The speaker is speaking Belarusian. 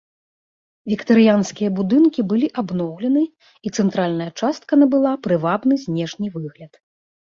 Віктарыянскія будынкі былі абноўлены і цэнтральная частка набыла прывабны знешні выгляд.